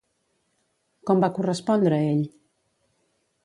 Com va correspondre ell?